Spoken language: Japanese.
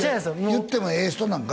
言ってもええ人なんか？